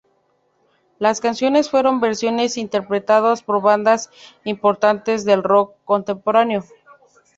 Las canciones fueron versiones interpretadas por bandas importantes del rock contemporáneo.